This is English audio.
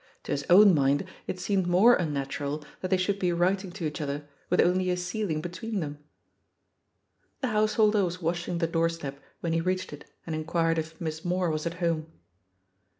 To his own mind it seemed more unnatural that they should be writing to $ach other, with only a ceiling between them* 177 178 THE POSITION OF PEGGY HARPER The householder was washing the doorstep when he reached it and inquired if '^Miss Moore" was at home.